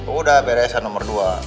udah beresan nomor dua